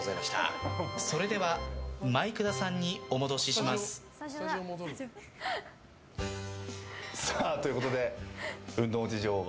それでは、マイク田さんにお戻しします。ということで、運動音痴女王は